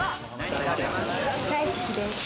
大好きです。